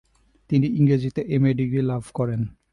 তিনি ইংরেজিতে M. A. Degree লাভ করেন।